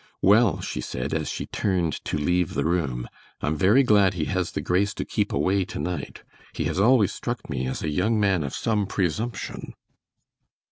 "Well," she said, as she turned to leave the room, "I'm very glad he has the grace to keep away tonight. He has always struck me as a young man of some presumption."